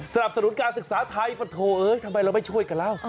สนับสนุนการศึกษาไทยปะโถเอ้ยทำไมเราไม่ช่วยกันแล้ว